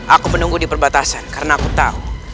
aku menunggu di perbatasan karena aku tahu